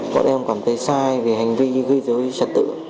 bọn em cảm thấy sai về hành vi gây dối trật tự